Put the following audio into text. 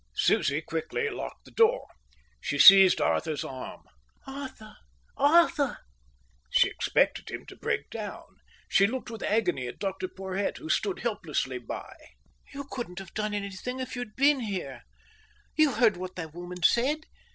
Susie quickly locked the door. She seized Arthur's arm. "Arthur, Arthur." She expected him to break down. She looked with agony at Dr Porhoët, who stood helplessly by. "You couldn't have done anything if you'd been here. You heard what the woman said.